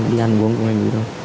đi ăn uống cùng anh ấy thôi